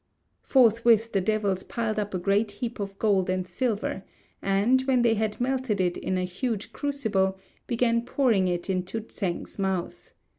Forthwith the devils piled up a great heap of gold and silver, and, when they had melted it in a huge crucible, began pouring it into Tsêng's mouth.